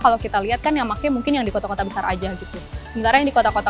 kalau kita lihat kan yang pakai mungkin yang di kota kota besar aja gitu sementara yang di kota kota